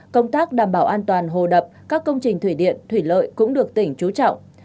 công tác đảm bảo an toàn hồ đập các công trình thủy điện thủy lợi cũng được tỉnh trú trọng